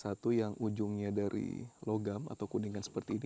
satu yang ujungnya dari logam atau kuningan seperti ini